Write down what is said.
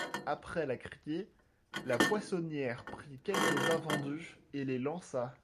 Après la criée, la poissonnière prit quelques invendus et les lança.